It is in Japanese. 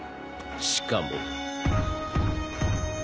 しかも。